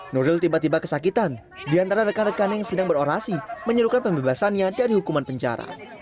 nuril tiba tiba kesakitan di antara rekan rekan yang sedang berorasi menyerukan pembebasannya dari hukuman penjara